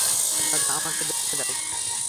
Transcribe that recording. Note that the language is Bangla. দাদা, আমাকে দেখতে দাও।